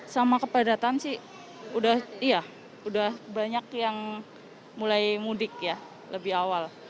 sama kepadatan sih udah banyak yang mulai mudik ya lebih awal